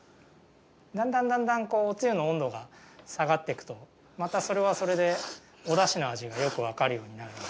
だんだんだんだんおつゆの温度が下がっていくとまたそれはそれでおだしの味がよくわかるようになるので。